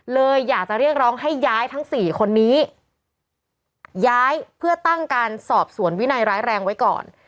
เลยอยากจะเรียกร้องให้ย้ายทั้งสี่คนนี้ย้ายเพื่อตั้งการสอบสวนวินัยร้ายแรงไว้ก่อน